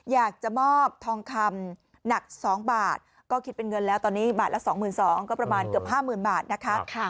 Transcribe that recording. อยากจะมอบทองคำหนัก๒บาทก็คิดเป็นเงินแล้วตอนนี้บาทละ๒๒๐๐ก็ประมาณเกือบ๕๐๐๐บาทนะคะ